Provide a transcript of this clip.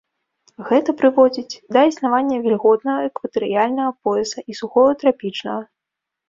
Гэта прыводзіць да існавання вільготнага экватарыяльнага пояса і сухога трапічнага.